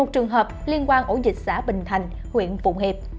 một trường hợp liên quan ổ dịch xã bình thành huyện phụng hiệp